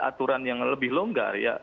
aturan yang lebih longgar ya